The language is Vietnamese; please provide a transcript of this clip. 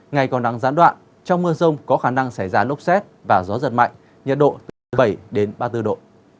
ngày còn nắng giãn đoạn trong mưa rông có khả năng xảy ra lốc xét và gió giật mạnh nhiệt độ từ bảy đến ba mươi bốn độ